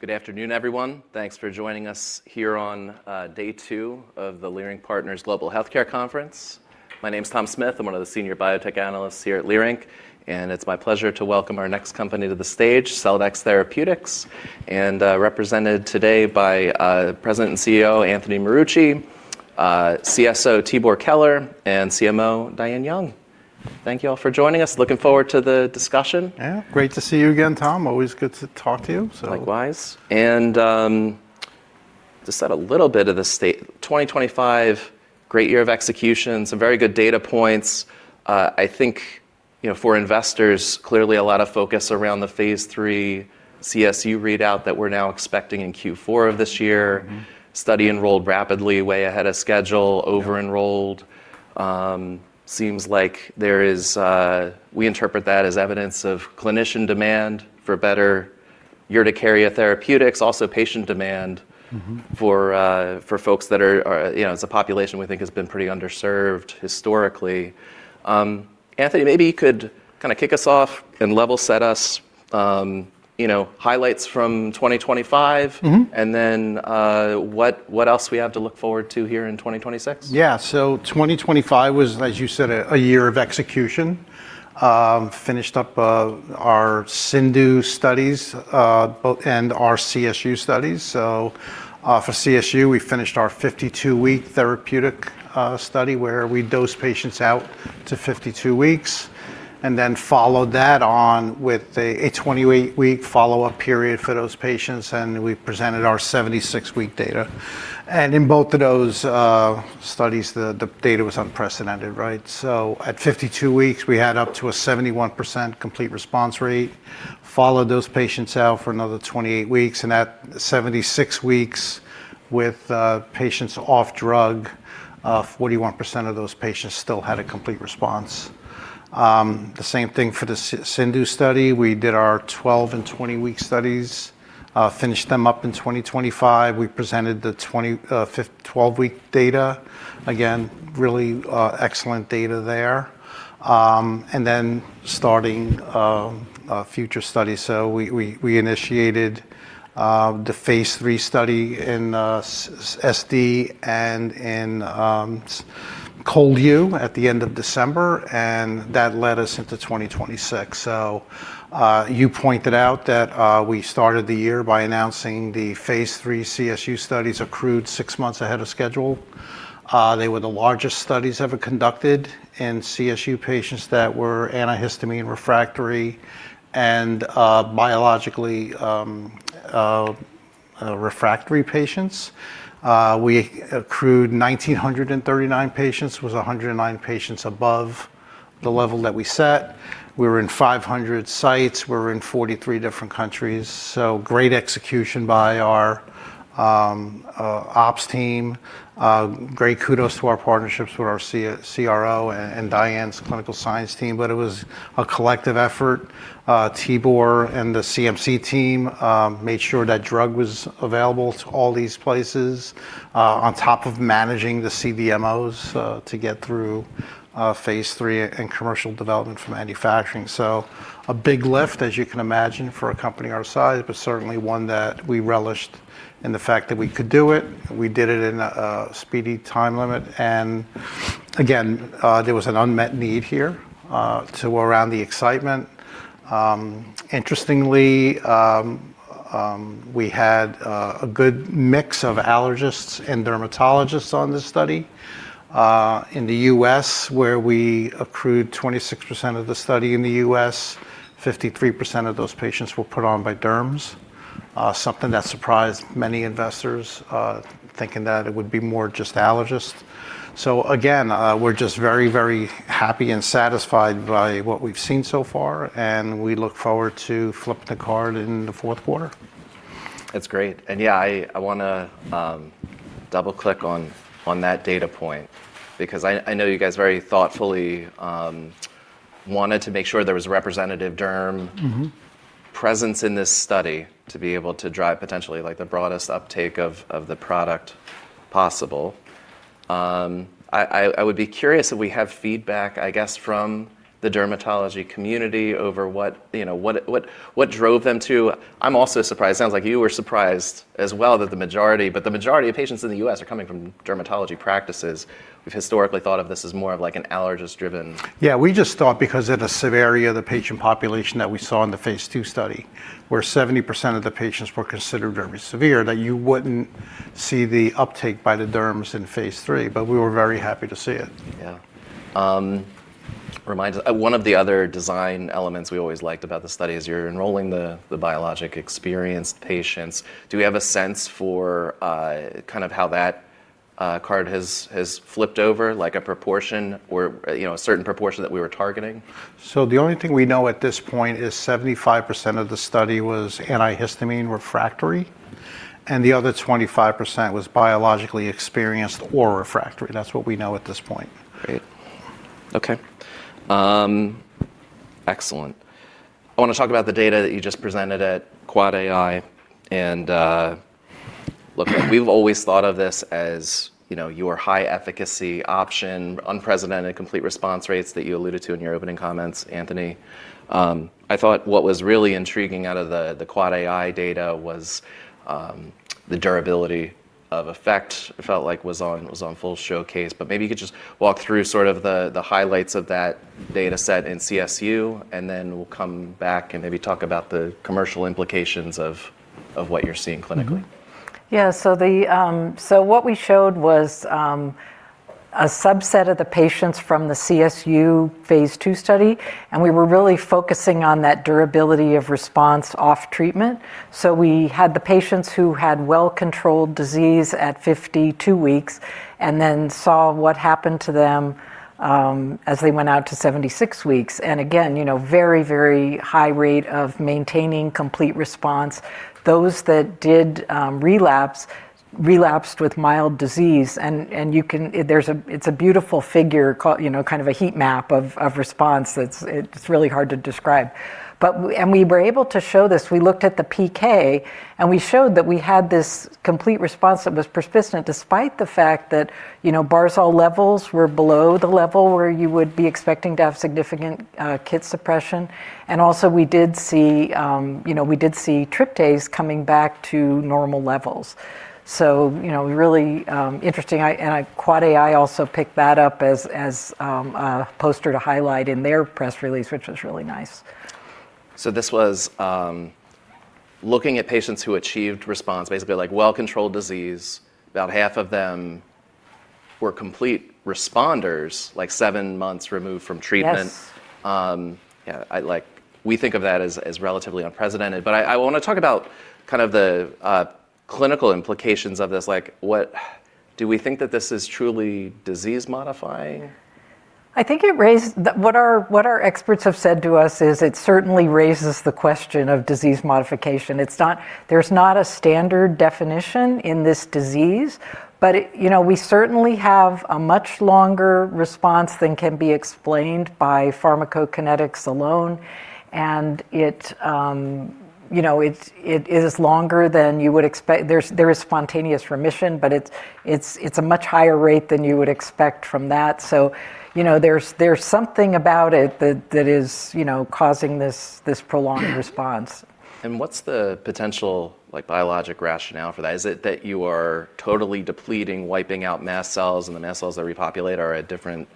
Good afternoon, everyone. Thanks for joining us here on day two of the Leerink Partners Global Healthcare Conference. My name's Tom Smith. I'm one of the senior biotech analysts here at Leerink, and it's my pleasure to welcome our next company to the stage, Celldex Therapeutics, and represented today by President and CEO Anthony Marucci, CSO Tibor Keler, and CMO Diane Young. Thank you all for joining us. Looking forward to the discussion. Yeah. Great to see you again, Tom. Always good to talk to you, so. Likewise. Just add a little bit of the state. 2025, great year of execution, some very good data points. I think, you know, for investors, clearly a lot of focus around the phase III CSU readout that we're now expecting in Q4 of this year. Mm-hmm. Study enrolled rapidly, way ahead of schedule. Yeah. Over enrolled. Seems like there is. We interpret that as evidence of clinician demand for better urticaria therapeutics, also patient demand. Mm-hmm ...for folks that are, you know, it's a population we think has been pretty underserved historically. Anthony, maybe you could kinda kick us off and level set us, you know, highlights from 2025. Mm-hmm What else we have to look forward to here in 2026? Yeah. 2025 was, as you said, a year of execution. Finished up our CIndU studies, both, and our CSU studies. For CSU, we finished our 52-week therapeutic study where we dosed patients out to 52 weeks, and then followed that on with a 20-week follow-up period for those patients, and we presented our 76-week data. In both of those studies, the data was unprecedented, right? At 52 weeks, we had up to a 71% complete response rate. Followed those patients out for another 28 weeks, and at 76 weeks, with patients off drug, 41% of those patients still had a complete response. The same thing for the CIndU study. We did our 12- and 20-week studies, finished them up in 2025. We presented the 12-week data. Again, really, excellent data there. Then starting future studies. We initiated the phase III study in SD and in ColdU at the end of December, and that led us into 2026. You pointed out that we started the year by announcing the phase III CSU studies accrued six months ahead of schedule. They were the largest studies ever conducted in CSU patients that were antihistamine refractory and biologically refractory patients. We accrued 1,939 patients, was 109 patients above the level that we set. We were in 500 sites. We were in 43 different countries, great execution by our ops team. Great kudos to our partnerships with our CRO and Diane's clinical science team, but it was a collective effort. Tibor and the CMC team made sure that drug was available to all these places, on top of managing the CDMOs, to get through phase III and commercial development from manufacturing. A big lift, as you can imagine, for a company our size, but certainly one that we relished in the fact that we could do it. We did it in a speedy time limit. There was an unmet need here, too, around the excitement. Interestingly, we had a good mix of allergists and dermatologists on this study. In the U.S., where we accrued 26% of the study in the U.S., 53% of those patients were put on by derms, something that surprised many investors, thinking that it would be more just allergists. Again, we're just very, very happy and satisfied by what we've seen so far, and we look forward to flipping the card in the fourth quarter. That's great. Yeah, I wanna double-click on that data point because I know you guys very thoughtfully wanted to make sure there was a representative derm- Mm-hmm ...presence in this study to be able to drive potentially, like, the broadest uptake of the product possible. I would be curious if we have feedback, I guess, from the dermatology community over what, you know, what drove them. I'm also surprised. Sounds like you were surprised as well that the majority of patients in the U.S. are coming from dermatology practices. We've historically thought of this as more of, like, an allergist driven- Yeah. We just thought because of the severity of the patient population that we saw in the phase II study, where 70% of the patients were considered very severe, that you wouldn't see the uptake by the derms in phase III, but we were very happy to see it. Yeah. One of the other design elements we always liked about the study is you're enrolling the biologic experienced patients. Do we have a sense for kind of how that card has flipped over, like a proportion or, you know, a certain proportion that we were targeting? The only thing we know at this point is 75% of the study was antihistamine refractory, and the other 25% was biologically experienced or refractory. That's what we know at this point. Great. Okay. Excellent. I wanna talk about the data that you just presented at EADV and, look, we've always thought of this as, you know, your high efficacy option, unprecedented complete response rates that you alluded to in your opening comments, Anthony. I thought what was really intriguing out of the EADV data was the durability of effect I felt like was on full showcase. Maybe you could just walk through sort of the highlights of that data set in CSU, and then we'll come back and maybe talk about the commercial implications of what you're seeing clinically. Mm-hmm. Yeah. What we showed was a subset of the patients from the CSU phase II study, and we were really focusing on that durability of response off treatment. We had the patients who had well-controlled disease at 52 weeks and then saw what happened to them as they went out to 76 weeks. Again, you know, very, very high rate of maintaining complete response. Those that did relapse, relapsed with mild disease and you can. There's a. It's a beautiful figure, you know, kind of a heat map of response that's really hard to describe. But we were able to show this. We looked at the PK, and we showed that we had this complete response that was persistent despite the fact that, you know, barzolvolimab levels were below the level where you would be expecting to have significant KIT suppression. Also we did see, you know, tryptase coming back to normal levels. Quad AI also picked that up as a poster to highlight in their press release, which was really nice. This was looking at patients who achieved response, basically like well-controlled disease, about half of them were complete responders, like seven months removed from treatment. Yes. Yeah, we think of that as relatively unprecedented, but I wanna talk about kind of the clinical implications of this. Like, what do we think that this is truly disease modifying? What our experts have said to us is it certainly raises the question of disease modification. There's not a standard definition in this disease. You know, we certainly have a much longer response than can be explained by pharmacokinetics alone. You know, it is longer than you would expect. There is spontaneous remission, but it's a much higher rate than you would expect from that. You know, there's something about it that is, you know, causing this prolonged response. What's the potential, like biologic rationale for that? Is it that you are totally depleting, wiping out mast cells, and the mast cells that repopulate are a different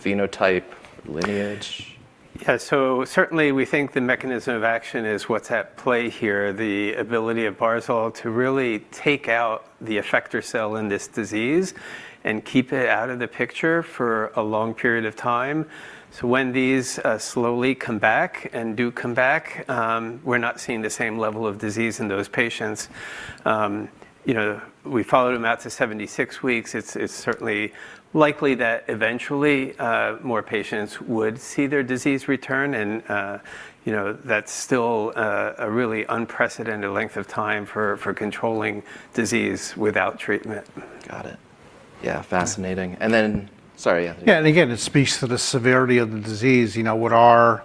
phenotype lineage? Yeah. Certainly we think the mechanism of action is what's at play here, the ability of barzolvolimab to really take out the effector cell in this disease and keep it out of the picture for a long period of time. When these slowly come back and do come back, we're not seeing the same level of disease in those patients. You know, we followed them out to 76 weeks. It's certainly likely that eventually more patients would see their disease return and you know, that's still a really unprecedented length of time for controlling disease without treatment. Got it. Yeah. Fascinating. Sorry, Anthony. Yeah. Again, it speaks to the severity of the disease. You know, what our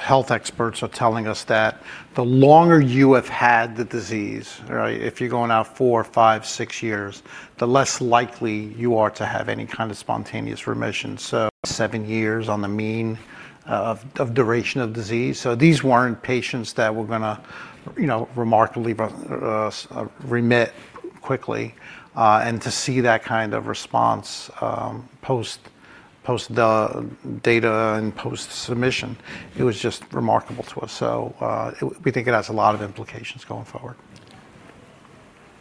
health experts are telling us that the longer you have had the disease, right? If you're going out four, five, six years, the less likely you are to have any kind of spontaneous remission. Seven years on the mean of duration of disease. These weren't patients that were gonna, you know, remarkably remit quickly. And to see that kind of response post the data and post submission, it was just remarkable to us. It. We think it has a lot of implications going forward.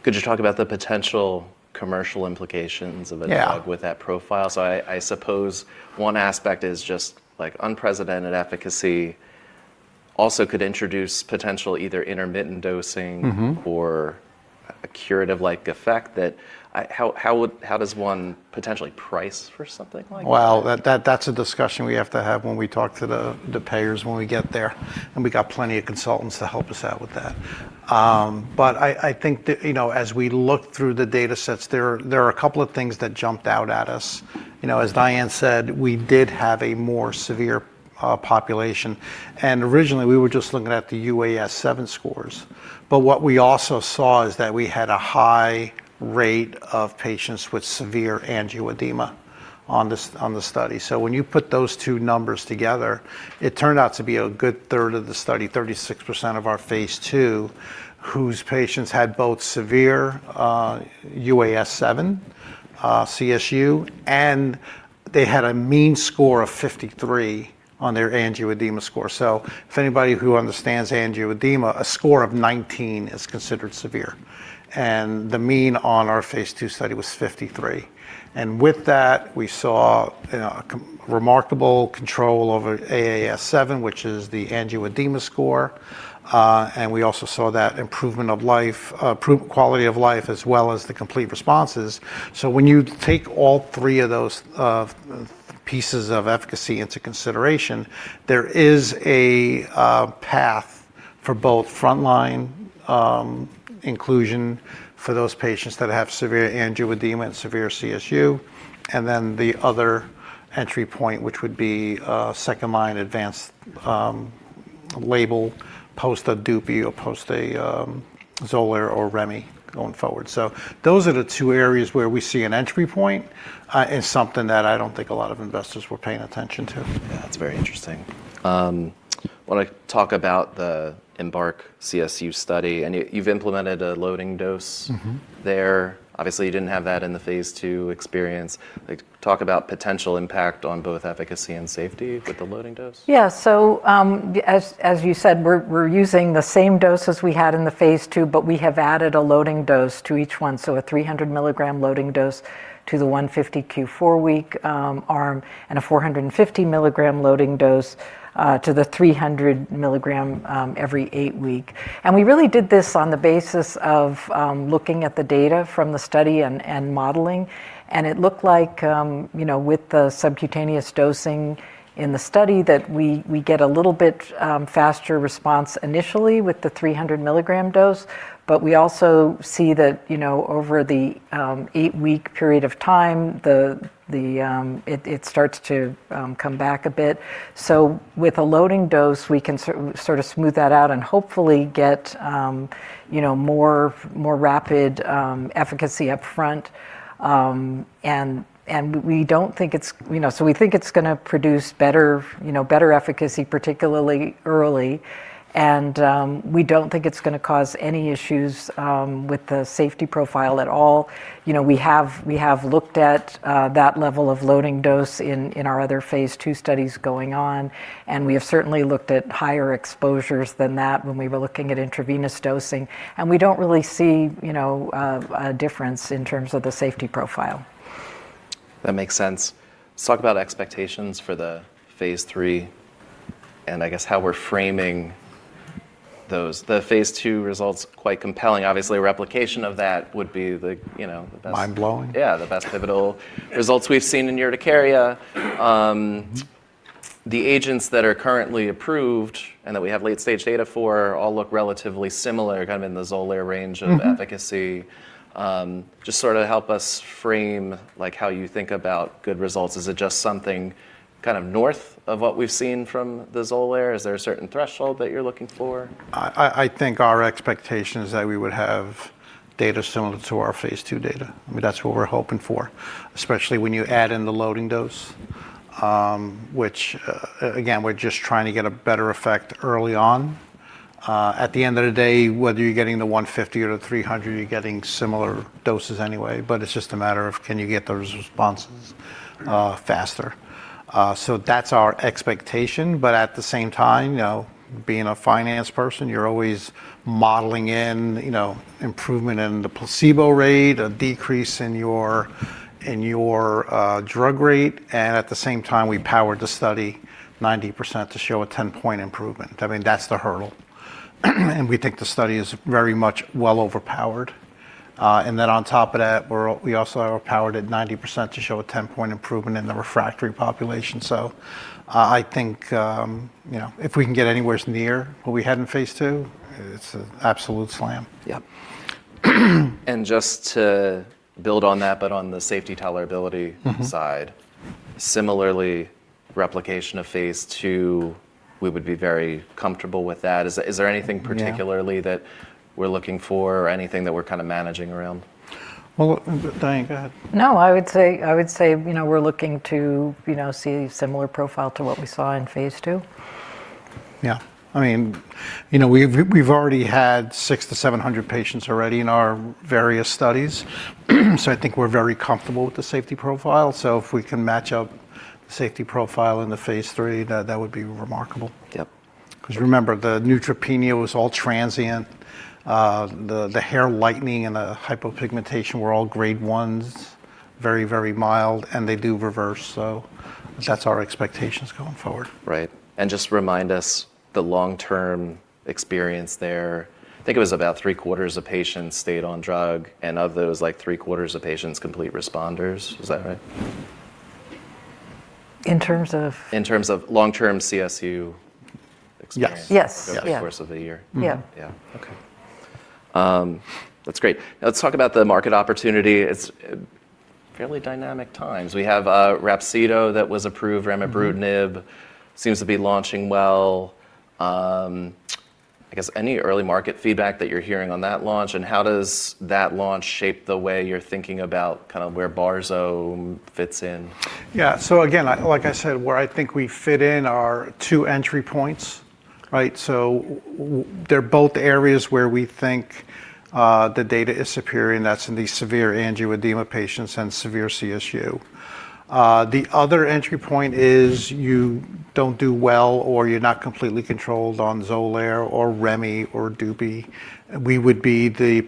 Could you talk about the potential commercial implications of a? Yeah... drug with that profile? I suppose one aspect is just like unprecedented efficacy also could introduce potential either intermittent dosing- Mm-hmm or a curative like effect that. How does one potentially price for something like that? Well, that's a discussion we have to have when we talk to the payers when we get there, and we got plenty of consultants to help us out with that. I think that, you know, as we look through the datasets, there are a couple of things that jumped out at us. You know, as Diane said, we did have a more severe population. Originally, we were just looking at the UAS-seven scores. What we also saw is that we had a high rate of patients with severe angioedema on the study. When you put those two numbers together, it turned out to be a good third of the study, 36% of our phase II, whose patients had both severe UAS-7 CSU, and they had a mean score of 53 on their angioedema score. If anybody who understands angioedema, a score of 19 is considered severe, and the mean on our phase II study was 53. With that, we saw, you know, remarkable control over AAS7, which is the angioedema score. We also saw that improvement in quality of life as well as the complete responses. When you take all three of those pieces of efficacy into consideration, there is a path for both frontline inclusion for those patients that have severe angioedema and severe CSU, and then the other entry point, which would be second line advanced label post a DUPIXENT or post a XOLAIR or remibrutinib going forward. Those are the two areas where we see an entry point, and something that I don't think a lot of investors were paying attention to. Yeah. That's very interesting. Wanna talk about the EMBARK CSU study, and you've implemented a loading dose. Mm-hmm there. Obviously, you didn't have that in the phase II experience. Like talk about potential impact on both efficacy and safety with the loading dose. Yeah. As you said, we're using the same dose as we had in the phase II, but we have added a loading dose to each one. A 300 milligram loading dose to the 150 Q4 week arm, and a 450 milligram loading dose to the 300 milligram every 8 week. We really did this on the basis of looking at the data from the study and modeling, and it looked like, you know, with the subcutaneous dosing in the study that we get a little bit faster response initially with the 300 milligram dose, but we also see that, you know, over the 8-week period of time, it starts to come back a bit. With a loading dose, we can sort of smooth that out and hopefully get you know, more rapid efficacy up front. We don't think it's you know, we think it's gonna produce better you know, better efficacy, particularly early, and we don't think it's gonna cause any issues with the safety profile at all. You know, we have looked at that level of loading dose in our other phase II studies going on, and we have certainly looked at higher exposures than that when we were looking at intravenous dosing. We don't really see you know, a difference in terms of the safety profile. That makes sense. Let's talk about expectations for the phase III and I guess how we're framing those. The phase II results, quite compelling. Obviously, replication of that would be, you know, the best. Mind-blowing? Yeah, the best pivotal results we've seen in urticaria. Mm-hmm The agents that are currently approved and that we have late-stage data for all look relatively similar, kind of in the XOLAIR range of Mm-hmm efficacy. Just sort of help us frame, like, how you think about good results. Is it just something kind of north of what we've seen from the XOLAIR? Is there a certain threshold that you're looking for? I think our expectation is that we would have data similar to our phase II data. I mean, that's what we're hoping for, especially when you add in the loading dose, which, again, we're just trying to get a better effect early on. At the end of the day, whether you're getting the 150 or the 300, you're getting similar doses anyway, but it's just a matter of can you get those responses faster. So that's our expectation. But at the same time, you know, being a finance person, you're always modeling in, you know, improvement in the placebo rate, a decrease in your drug rate, and at the same time, we powered the study 90% to show a 10-point improvement. I mean, that's the hurdle. We think the study is very much well overpowered. On top of that, we also are powered at 90% to show a 10-point improvement in the refractory population. I think, you know, if we can get anywhere near what we had in phase II, it's an absolute slam. Yep. Just to build on that, but on the safety tolerability- Mm-hmm side. Similarly, replication of phase II, we would be very comfortable with that. Is there anything particularly? Yeah that we're looking for or anything that we're kind of managing around? Well, Diane, go ahead. No. I would say, you know, we're looking to, you know, see similar profile to what we saw in phase II. Yeah. I mean, you know, we've already had 600-700 patients already in our various studies, so I think we're very comfortable with the safety profile. If we can match up safety profile in the phase III, that would be remarkable. Yep. 'Cause remember, the neutropenia was all transient. The hair lightening and the hypopigmentation were all grade ones, very, very mild, and they do reverse, so that's our expectations going forward. Right. Just remind us the long-term experience there. I think it was about three-quarters of patients stayed on drug, and of those, like three-quarters of patients complete responders. Is that right? In terms of? In terms of long-term CSU experience. Yes Yes. Yeah over the course of a year. Mm-hmm. Yeah. Yeah. Okay. That's great. Now let's talk about the market opportunity. It's fairly dynamic times. We have Rhapsido that was approved. remibrutinib seems to be launching well. I guess any early market feedback that you're hearing on that launch, and how does that launch shape the way you're thinking about kind of where barzolvolimab fits in? Yeah. Again, like I said, where I think we fit in are two entry points, right? They're both areas where we think the data is superior, and that's in the severe angioedema patients and severe CSU. The other entry point is you don't do well or you're not completely controlled on XOLAIR or remi DUPIXENT. We would be the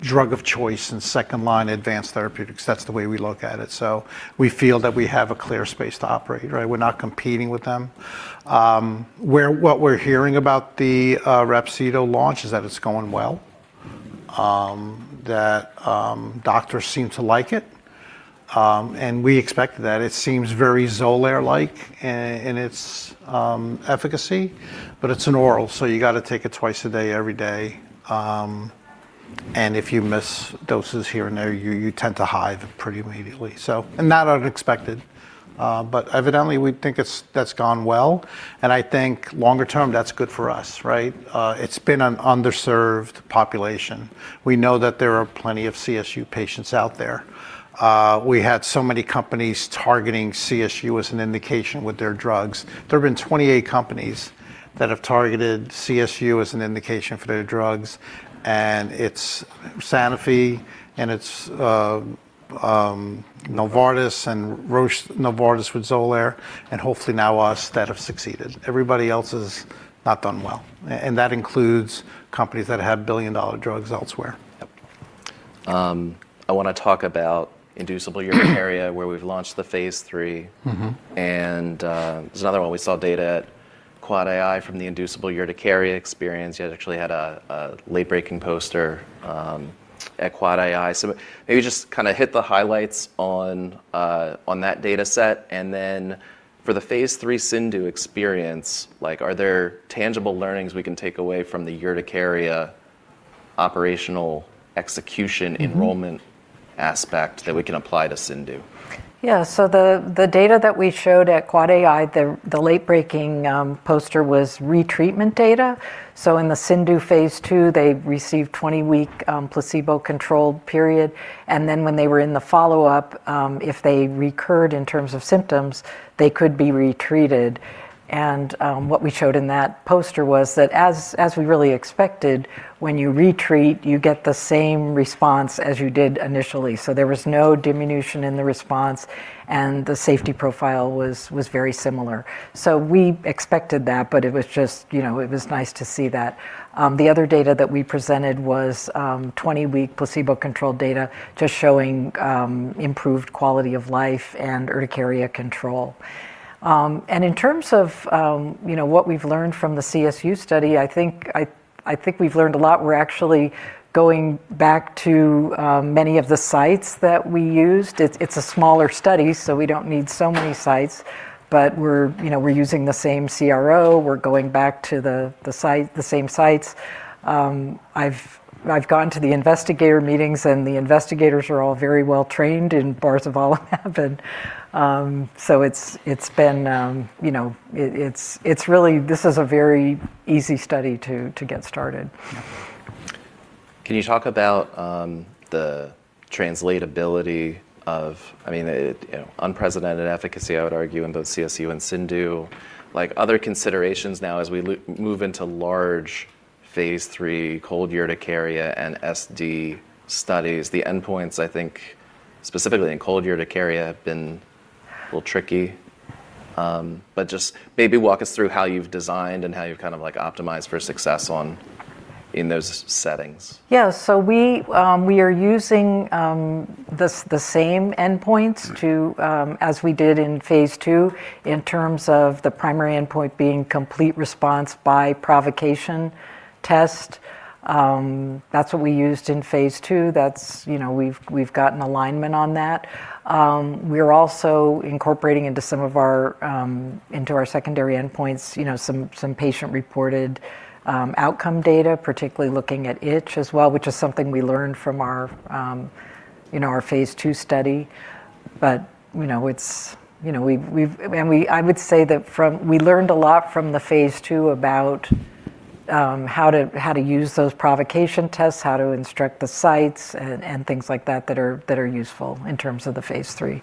drug of choice in second line advanced therapeutics. That's the way we look at it. We feel that we have a clear space to operate, right? We're not competing with them. What we're hearing about the Rhapsido launch is that it's going well, that doctors seem to like it, and we expected that. It seems very XOLAIR-like in its efficacy, but it's an oral, so you gotta take it twice a day, every day. If you miss doses here and there, you tend to have hives pretty immediately. Not unexpected, but evidently we think that's gone well, and I think longer term, that's good for us, right? It's been an underserved population. We know that there are plenty of CSU patients out there. We had so many companies targeting CSU as an indication with their drugs. There have been 28 companies that have targeted CSU as an indication for their drugs, and it's Sanofi and Novartis and Roche, Novartis with XOLAIR, and hopefully now us that have succeeded. Everybody else has not done well, and that includes companies that have billion-dollar drugs elsewhere. Yep. I wanna talk about inducible urticaria, where we've launched the phase III. Mm-hmm. There's another one. We saw data at EAACI from the inducible urticaria experience. You had actually had a late-breaking poster at EAACI. Maybe just kinda hit the highlights on that data set, and then for the phase III CIndU experience, like, are there tangible learnings we can take away from the urticaria operational execution? Mm-hmm enrollment aspect that we can apply to CIndU? Yeah. The data that we showed at EAACI, the late-breaking poster was retreatment data. In the CIndU phase II, they received 20-week placebo-controlled period, and then when they were in the follow-up, if they recurred in terms of symptoms, they could be retreated. What we showed in that poster was that as we really expected, when you retreat, you get the same response as you did initially. There was no diminution in the response, and the safety profile was very similar. We expected that, but it was just, you know, it was nice to see that. The other data that we presented was 20-week placebo-controlled data just showing improved quality of life and urticaria control. In terms of, you know, what we've learned from the CSU study, I think we've learned a lot. We're actually going back to many of the sites that we used. It's a smaller study, so we don't need so many sites, but we're, you know, we're using the same CRO. We're going back to the same sites. I've gone to the investigator meetings, and the investigators are all very well trained in barzolvolimab, and so it's been, you know, it's really. This is a very easy study to get started. Can you talk about the translatability of, I mean, the, you know, unprecedented efficacy, I would argue, in both CSU and CIndU, like, other considerations now as we move into large phase III cold urticaria and SD studies? The endpoints, I think, specifically in cold urticaria, have been a little tricky. Just maybe walk us through how you've designed and how you've kind of like optimized for success in those settings. Yeah. We are using the same endpoints as we did in phase II in terms of the primary endpoint being complete response by provocation test. That's what we used in phase II. That's, you know, we've gotten alignment on that. We're also incorporating into some of our secondary endpoints, you know, some patient-reported outcome data, particularly looking at itch as well, which is something we learned from our, you know, our phase II study. You know, we've learned a lot from the phase II about how to use those provocation tests, how to instruct the sites and things like that that are useful in terms of the phase III.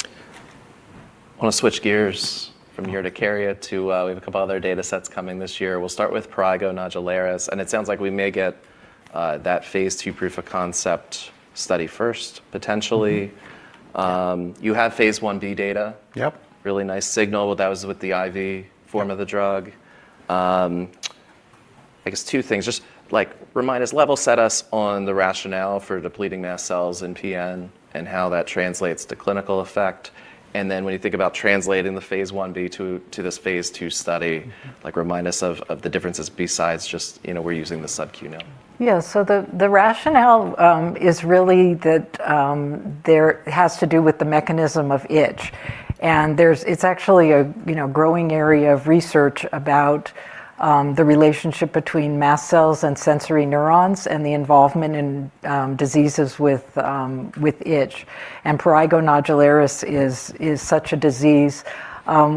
I wanna switch gears from urticaria to. We have a couple other datasets coming this year. We'll start with prurigo nodularis, and it sounds like we may get that phase II proof of concept study first, potentially. Mm-hmm. You have phase I-B data. Yep. Really nice signal. That was with the IV form of the drug. I guess two things. Just, like, remind us, level set us on the rationale for depleting mast cells in PN and how that translates to clinical effect, and then when you think about translating the phase I-B to this phase II study, like, remind us of the differences besides just, you know, we're using the subQ now. The rationale is really that there has to do with the mechanism of itch, and it's actually a you know growing area of research about the relationship between mast cells and sensory neurons and the involvement in diseases with itch, and prurigo nodularis is such a disease.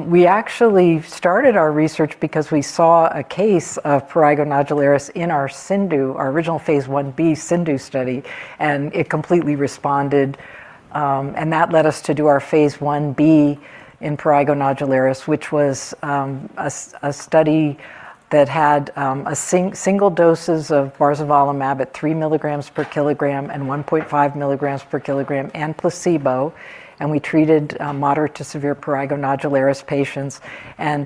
We actually started our research because we saw a case of prurigo nodularis in our CIndU, our phase I-B CIndU study, and it completely responded, and that led us to do phase I-B in prurigo nodularis, which was a study that had single doses of barzolvolimab at three mg per kg and 1.5 mg per kg and placebo, and we treated moderate to severe prurigo nodularis patients.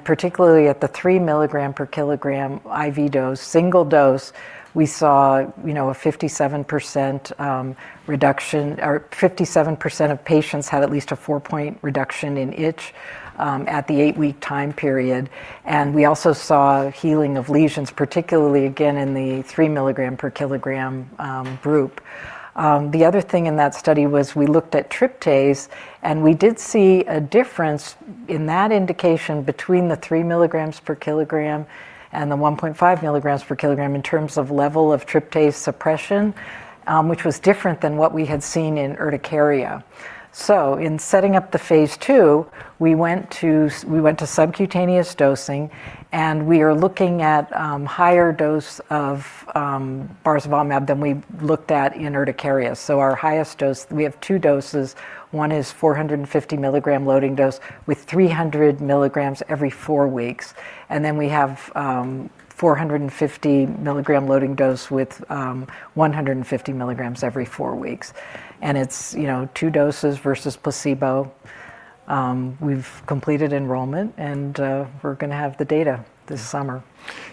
Particularly at the three milligram per kg IV dose, single dose, we saw, you know, a 57% reduction, or 57% of patients had at least a four-point reduction in itch at the eight-week time period. We also saw healing of lesions, particularly again in the three milligram per kg group. The other thing in that study was we looked at tryptase, and we did see a difference in that indication between the three mg per kg and the 1.5 mg per kg in terms of level of tryptase suppression, which was different than what we had seen in urticaria. In setting up the phase II, we went to subcutaneous dosing, and we are looking at higher dose of barzolvolimab than we looked at in urticaria. Our highest dose. We have two doses. One is 450 milligram loading dose with 300 mg every four weeks. We have 450 milligram loading dose with 150 mg every four weeks. It's, you know, two doses versus placebo. We've completed enrollment, and we're gonna have the data this summer.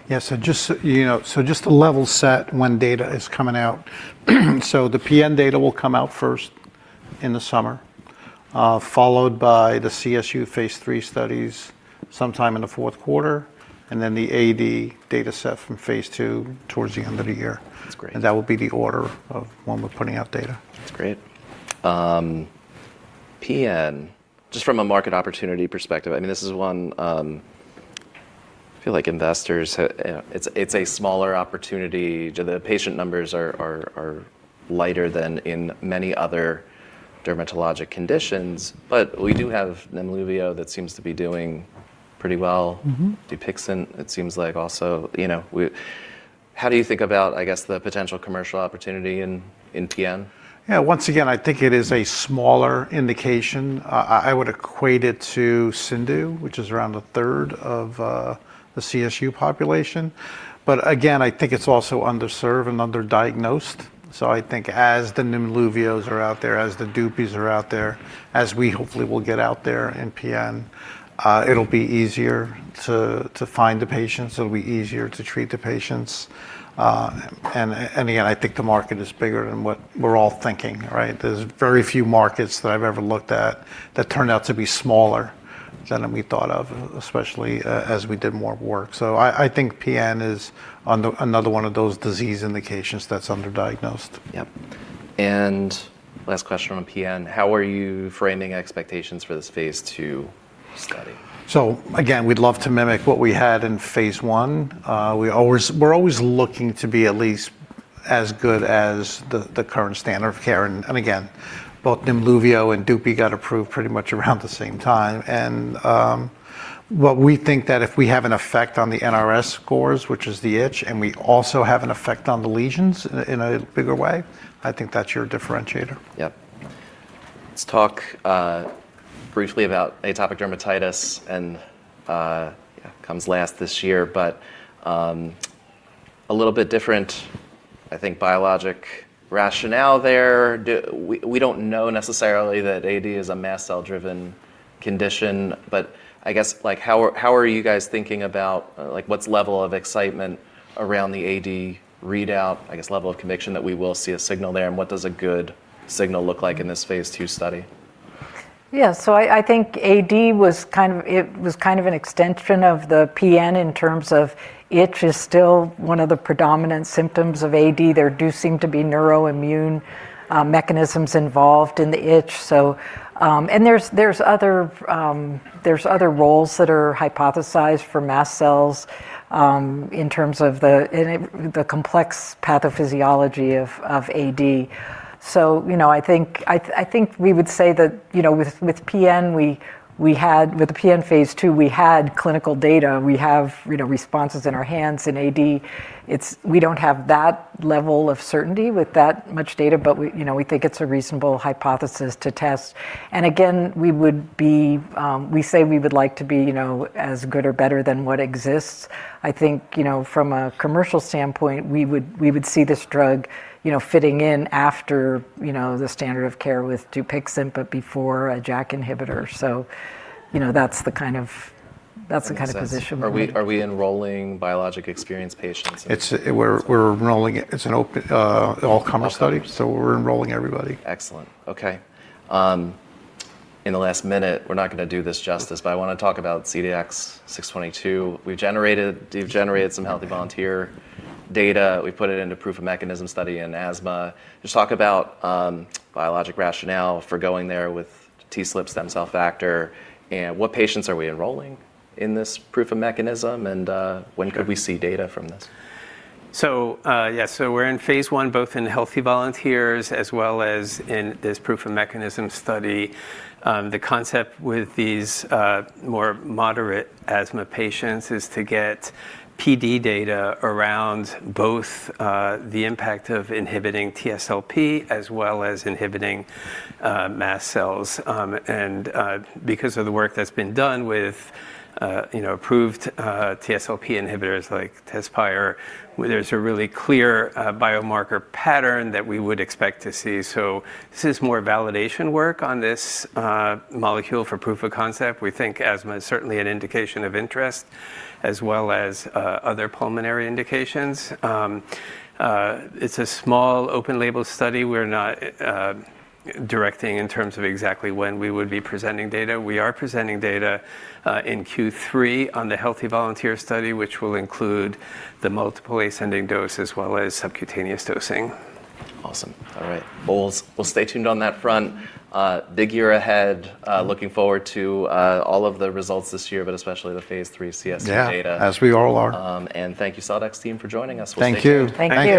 Just to level set when data is coming out. The PN data will come out first in the summer, followed by the CSU phase III studies sometime in the fourth quarter, and then the AD data set from phase II towards the end of the year. That's great. That will be the order of when we're putting out data. That's great. PN, just from a market opportunity perspective, I mean, this is one, I feel like investors, it's a smaller opportunity. The patient numbers are lighter than in many other dermatologic conditions. We do have NEMLUVIO that seems to be doing pretty well. Mm-hmm. DUPIXENT, it seems like also, you know, how do you think about, I guess, the potential commercial opportunity in PN? Yeah, once again, I think it is a smaller indication. I would equate it to CIndU, which is around a third of the CSU population. Again, I think it's also underserved and underdiagnosed. I think as the NEMLUVIOs are out there, as the DUPIXENTS are out there, as we hopefully will get out there in PN, it'll be easier to find the patients, it'll be easier to treat the patients. Again, I think the market is bigger than what we're all thinking, right? There's very few markets that I've ever looked at that turned out to be smaller than we thought of, especially as we did more work. I think PN is another one of those disease indications that's underdiagnosed. Yep. Last question on PN. How are you framing expectations for this phase II study? Again, we'd love to mimic what we had in phase one. We're always looking to be at least as good as the current standard of care. Again, both NEMLUVIO and DUPIXENT got approved pretty much around the same time. What we think that if we have an effect on the NRS scores, which is the itch, and we also have an effect on the lesions in a bigger way, I think that's your differentiator. Yep. Let's talk briefly about atopic dermatitis and, yeah, comes last this year, but a little bit different, I think, biologic rationale there. We don't know necessarily that AD is a mast cell-driven condition, but I guess like how are you guys thinking about like what's level of excitement around the AD readout? I guess level of conviction that we will see a signal there, and what does a good signal look like in this phase II study? Yeah. I think AD was kind of an extension of the PN in terms of itch is still one of the predominant symptoms of AD. There do seem to be neuroimmune mechanisms involved in the itch. There's other roles that are hypothesized for mast cells in terms of the complex pathophysiology of AD. You know, I think we would say that, you know, with PN, we had. With the PN phase II, we had clinical data. We have, you know, responses in our hands. In AD, we don't have that level of certainty with that much data, but we, you know, we think it's a reasonable hypothesis to test. Again, we say we would like to be, you know, as good or better than what exists. I think, you know, from a commercial standpoint, we would see this drug, you know, fitting in after, you know, the standard of care with DUPIXENT but before a JAK inhibitor. You know, that's the kind of position we're in. Are we enrolling biologic-experienced patients? We're enrolling it. It's an open, all-comer study. All comer. We're enrolling everybody. Excellent. Okay. In the last minute, we're not gonna do this justice, but I wanna talk about CDX-622. You've generated some healthy volunteer data. We put it into proof of mechanism study in asthma. Just talk about biologic rationale for going there with TSLP stem cell factor, and what patients are we enrolling in this proof of mechanism. Sure When could we see data from this? We're in phase I, both in healthy volunteers as well as in this proof of mechanism study. The concept with these more moderate asthma patients is to get PD data around both the impact of inhibiting TSLP as well as inhibiting mast cells. Because of the work that's been done with you know, approved TSLP inhibitors like TEZSPIRE, where there's a really clear biomarker pattern that we would expect to see. This is more validation work on this molecule for proof of concept. We think asthma is certainly an indication of interest as well as other pulmonary indications. It's a small open label study. We're not directing in terms of exactly when we would be presenting data. We are presenting data in Q3 on the healthy volunteer study, which will include the multiple ascending dose as well as subcutaneous dosing. Awesome. All right. Well, we'll stay tuned on that front. Big year ahead. Looking forward to all of the results this year, but especially the phase III CSU data. Yeah. As we all are. Thank you, Celldex team, for joining us. We'll stay tuned. Thank you. Thank you.